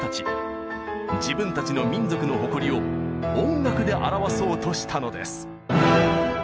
自分たちの民族の誇りを音楽で表そうとしたのです。